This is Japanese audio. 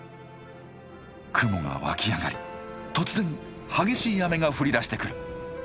雲が湧き上がり突然激しい雨が降りだしてくる。